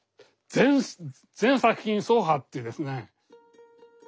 全作品走破っていうですね。